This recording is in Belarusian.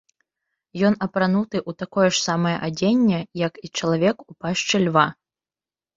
Ён апрануты ў такое ж самае адзенне, як і чалавек у пашчы льва.